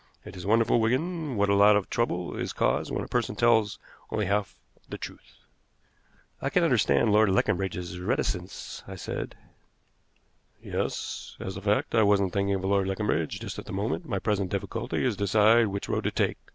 It is wonderful, Wigan, what a lot of trouble is caused when a person tells only half the truth." "I can understand Lord Leconbridge's reticence," I said. "Yes. As a fact, I wasn't thinking of Lord Leconbridge just at the moment. My present difficulty is to decide which road to take.